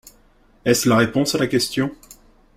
Est-ce la réponse à la question?